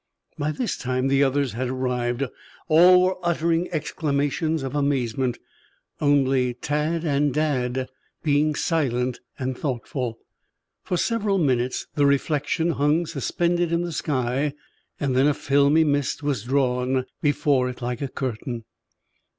By this time the others had arrived. All were uttering exclamations of amazement, only Tad and Dad being silent and thoughtful. For several minutes the reflection hung suspended in the sky, then a filmy mist was drawn before it like a curtain.